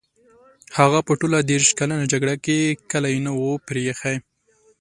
هغه په ټوله دېرش کلنه جګړه کې کلی نه وو پرې ایښی.